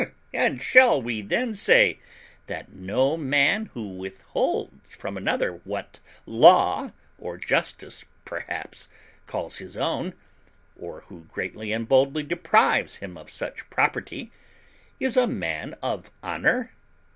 And shall we then say that no man who withholds from another what law, or justice perhaps, calls his own, or who greatly and boldly deprives him of such property, is a man of honour?